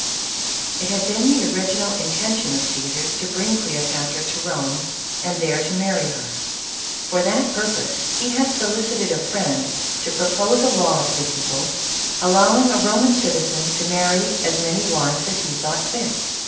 It had been the original intention of Caesar to bring Cleopatra to Rome, and there to marry her. For that purpose, he had solicited a friend to propose'a law to the people, allowing a Roman citizen to marry as many wives as he thought fit.